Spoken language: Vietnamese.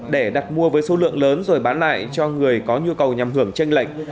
để đặt mua với số lượng lớn rồi bán lại cho người có nhu cầu nhằm hưởng chênh lệnh